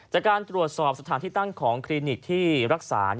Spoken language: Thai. จากการตรวจสอบสถานที่ตั้งของคลินิกที่รักษา